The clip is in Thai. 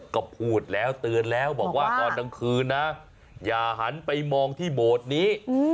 ก็พูดแล้วเตือนแล้วบอกว่าตอนกลางคืนนะอย่าหันไปมองที่โบสถ์นี้